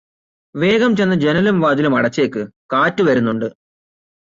വേഗം ചെന്ന് ജനലും വാതിലും അടച്ചേക്ക്, കാറ്റ് വരുന്നുണ്ട്.